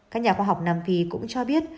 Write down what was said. các nhà khoa học nam phi cũng cho biết